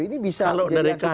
ini bisa jadinya ketidaksiksaan